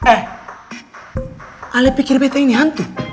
eh alih pikir beta ini hantu